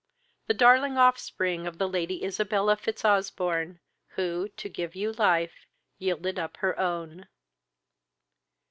the darling offspring of the Lady Isabella Fitzosbourne, who, to give you life, yielded up her own."